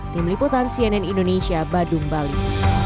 tim liputan cnn indonesia badung bali